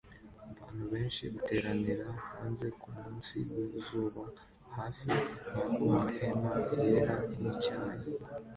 Abantu benshi bateranira hanze kumunsi wizuba hafi yamahema yera nicyayi